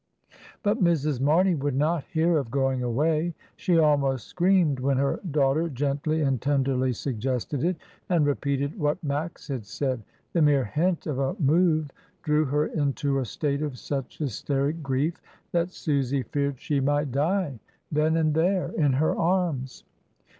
But Mrs. Marney would not hear of going away, she almost screamed when her daughter gently and tenderly suggested it, and repeated what Max had said. The mere hint of a move drew her into a state of such hysteric grief, that Susy feared she might die then and there in her arms.